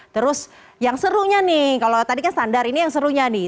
terus yang serunya nih kalau tadi kan standar ini yang serunya nih